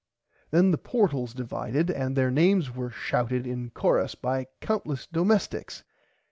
Then the portles divided and their names were shouted in chorus by countless domesticks.